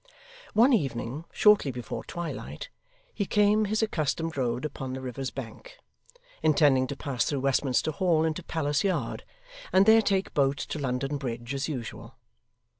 One evening, shortly before twilight, he came his accustomed road upon the river's bank, intending to pass through Westminster Hall into Palace Yard, and there take boat to London Bridge as usual.